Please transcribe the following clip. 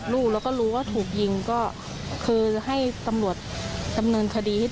เราก็ไม่รู้ใช่